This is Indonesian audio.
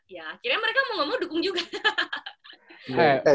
ya akhirnya mereka mau ngomong dukung juga